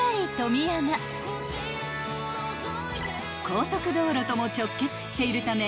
［高速道路とも直結しているため］